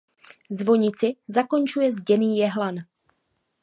Zvonici zakončuje zděný jehlan.